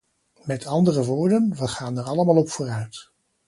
Met andere woorden, we gaan er allemaal op vooruit.